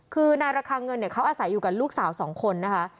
คือนายระคังเงินเขาอาศัยอยู่กับลูกสาว๒คนนะคะ